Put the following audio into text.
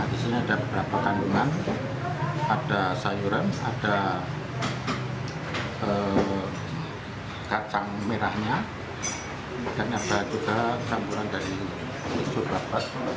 di sini ada beberapa kandungan ada sayuran ada kacang merahnya dan ada juga campuran dari busur dapat